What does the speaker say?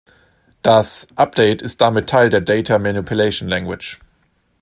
Das Update ist damit Teil der Data Manipulation Language.